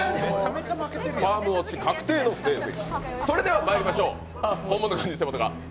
ファーム落ち確定の成績。